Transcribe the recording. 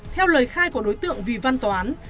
theo lời khai của đối tượng vy văn toán